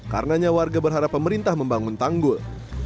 karenanya warga berharap pemerintah membangun tanggul